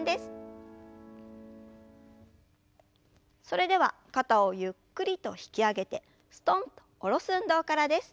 それでは肩をゆっくりと引き上げてすとんと下ろす運動からです。